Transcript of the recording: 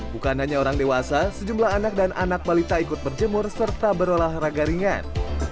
bukan hanya orang dewasa sejumlah anak dan anak balita ikut berjemur serta berolahraga ringan